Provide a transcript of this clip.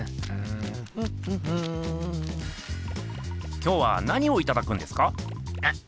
今日は何をいただくんですか？